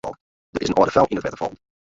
Der is in âlde frou yn it wetter fallen.